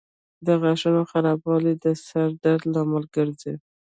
د غاښونو خرابوالی د سر درد لامل ګرځي.